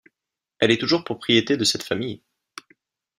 Elle est toujours propriété de cette famille.